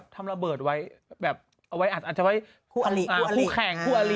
เขาระเบิดไว้เอาไว้อาจจะคลุกแคร์